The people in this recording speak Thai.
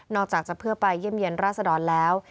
จากจะเพื่อไปเยี่ยมเยี่ยนราษดรแล้ว